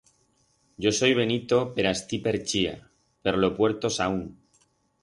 Yo soi venito per astí per Chía, per lo puerto Saúnc.